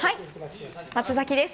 松崎です。